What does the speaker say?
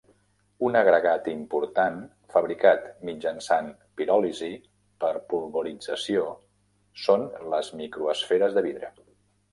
Un agregat important fabricat mitjançant piròlisi per polvorització són les microesferes de vidre.